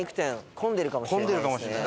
混んでるかもしれない。